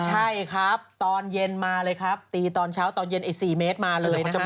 ใช่ครับตอนเย็นมาเลยครับตีตอนเช้าตอนเย็นอีก๔เมตรมาเลยนะครับ